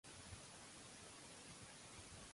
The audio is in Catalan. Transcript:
El foc s'està tractant com un for provocat.